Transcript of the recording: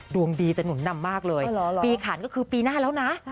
ดวงดีจะหนุนนำมากเลยปีขันก็คือปีหน้าแล้วนะ